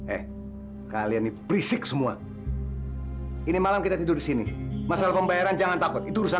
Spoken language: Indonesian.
eh kalian nih berisik semua ini malam kita tidur di sini masalah pembayaran jangan takut itu urusan